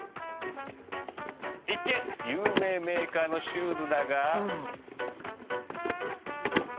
一見有名メーカーのシューズだが。